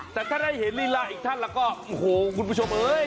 แต่ถ้าได้เห็นลีลาอีกท่านแล้วก็โอ้โหคุณผู้ชมเอ้ย